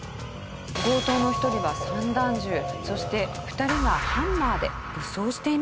強盗の１人は散弾銃そして２人はハンマーで武装していました。